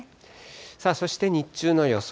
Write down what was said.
そして日中の予想